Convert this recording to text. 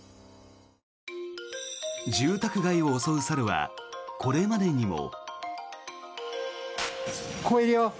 住宅街を襲う猿はこれまでにも。